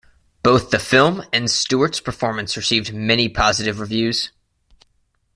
Both the film and Stewart's performance received many positive reviews.